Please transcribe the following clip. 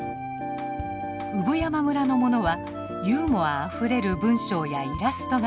産山村のものはユーモアあふれる文章やイラストが人気。